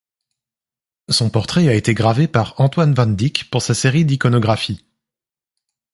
Son portrait a été gravé par Antoine van Dyck pour sa série d'iconographies.